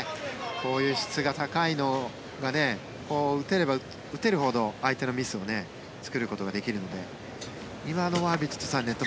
こういう質が高いのが打てれば打てるほど相手のミスを作ることができるので今のはヴィチットサーンネット